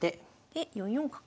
で４四角。